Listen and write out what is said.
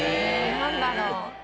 何だろう？